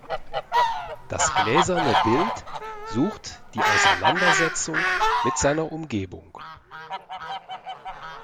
Das gläserne Bild sucht die Auseinandersetzung mit seiner Umgebung.